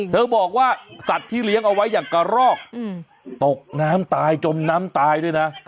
บอกว่าสัตว์ที่เลี้ยงเอาไว้อย่างกระรอกตกน้ำตายจมน้ำตายด้วยนะ